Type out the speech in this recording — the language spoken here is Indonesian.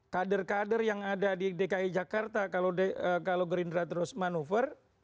kader kader yang ada di dki jakarta kalau gerindra terus manuver